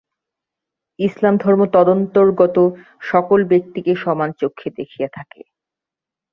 ইসলাম ধর্ম তদন্তর্গত সকল ব্যক্তিকে সমান চক্ষে দেখিয়া থাকে।